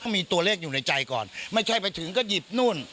มีตัวเลขอยู่ในใจก่อนไม่ใช่ไปถึงก็หยิบนู่น